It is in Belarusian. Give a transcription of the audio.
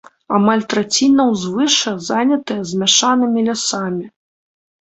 Амаль траціна ўзвышша занятая змяшанымі лясамі.